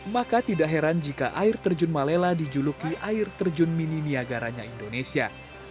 maka tidak heran jika air terjun malela dijuluki air terjun mini niagaranya indonesia